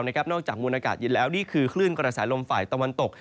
นอกจากมูลอากาศเย็นแล้วนี่คือคลื่นกระแสลมฝ่ายตะวันตก